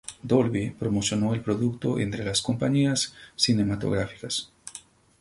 Dolby promocionó el producto entre las compañías cinematográficas.